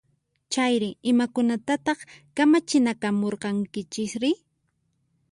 Chayri, imakunatataq kamachinakamurqankichisri?